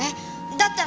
だったら。